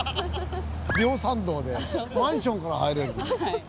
両参道でマンションから入れる。